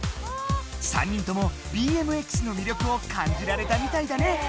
３人ともＢＭＸの魅力を感じられたみたいだね。